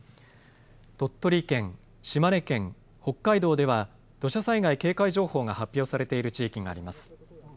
鳥取県、島根県、北海道では土砂災害警戒情報が発表されている地域があります。